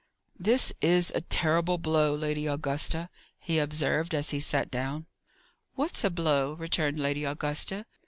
"This is a terrible blow, Lady Augusta," he observed, as he sat down. "What's a blow?" returned Lady Augusta.